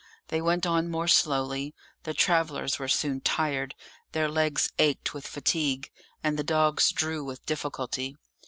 They went on more slowly; the travellers were soon tired; their legs ached with fatigue, and the dogs drew with difficulty.